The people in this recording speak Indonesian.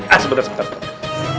ah sebentar sebentar sebentar